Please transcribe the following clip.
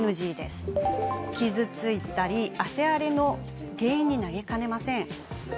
傷つき、汗荒れの原因になりかねません。